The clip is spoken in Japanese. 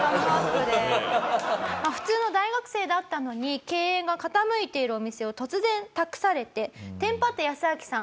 普通の大学生だったのに経営が傾いているお店を突然託されてテンパったヤスアキさん